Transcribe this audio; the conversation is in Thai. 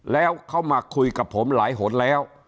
แล้วเขามาคุยกับผมหลายหนแล้ว